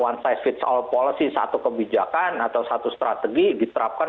membuat satu kebijakan atau strategi yang berbeda